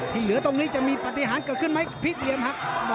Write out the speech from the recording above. เหลือตรงนี้จะมีปฏิหารเกิดขึ้นไหมพลิกเหลี่ยมครับ